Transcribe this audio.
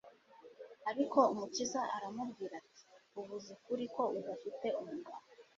Ariko Umukiza aramubwira ati: "Uvuze ukuri ko udafite umugabo,